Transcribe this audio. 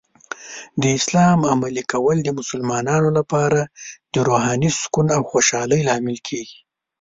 د اسلام عملي کول د مسلمانانو لپاره د روحاني سکون او خوشحالۍ لامل کیږي.